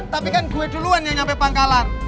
tapi kan gue duluan yang sampai pangkalan